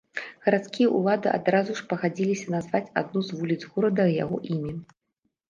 Гарадскія ўлады адразу ж пагадзіліся назваць адну з вуліц горада яго імем.